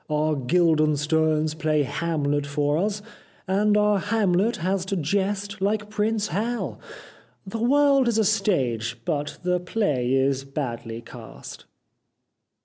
Our Guildensterns play Hamlet for us, and our Hamlet has to jest like Prince Hal. The world is a stage, but the play is badly cast."